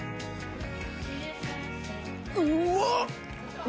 うわっ！